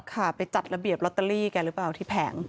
ค่ะไปจัดระเบียบลอตเตอรี่กันหรือเปล่าที่แผง